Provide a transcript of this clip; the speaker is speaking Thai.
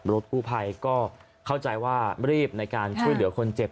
รถกู้ภัยก็เข้าใจว่ารีบในการช่วยเหลือคนเจ็บ